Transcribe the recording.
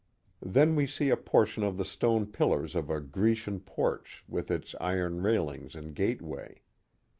Then we see a portion of the stone pillars of a Grecian porch with its iron railings and gateway.